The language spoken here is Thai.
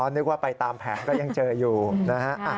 นึกว่าไปตามแผงก็ยังเจออยู่นะฮะ